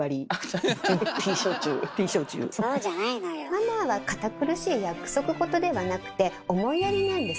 マナーは堅苦しい約束事ではなくて思いやりなんですね。